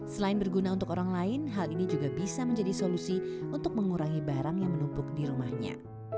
selain berguna untuk orang lain hal ini juga bisa menjadi solusi untuk mengurangi barang yang menumpuk di rumahnya